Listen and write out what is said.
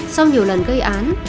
sau nhiều lần gây án